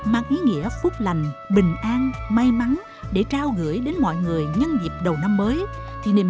mang ý nghĩa phúc lành bình an may mắn để trao gửi đến mọi người nhân dịp đầu năm mới thì niềm